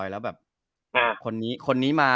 แล้วแบบคนนี้มา